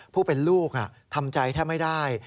ผู้เป็นลูกทำใจแทบไม่ได้